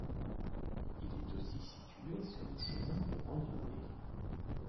Il est aussi situé sur le chemin de randonnées.